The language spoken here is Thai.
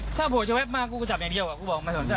ถ้าผู้ชายแวะมากกูก็จับอย่างเดียวอ่ะกูบอกไม่สนเจ้า